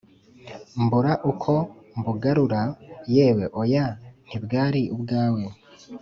mbura uko mbugarura yewe, oya ntibwari ubwawe